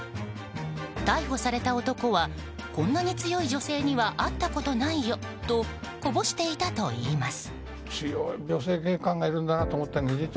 逮捕された男はこんなに強い女性には会ったことないよとこぼしていたといいます。